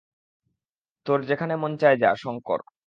তোর যেখানে মন চায় যা, শংকর।